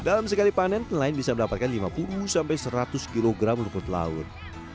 dalam sekali panen penelain bisa mendapatkan lima puluh seratus kg rumput laut